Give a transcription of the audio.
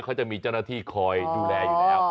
เขาจะมีเจ้าหน้าที่คอยดูแลอยู่แล้ว